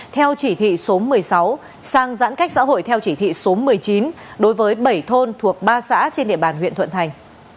theo chỉ thị số một mươi sáu sang giãn cách xã hội theo chỉ thị số một mươi chín đối với bảy thôn thuộc ba xã trên địa bàn huyện thuận thành